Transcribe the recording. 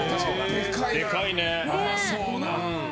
でかいな。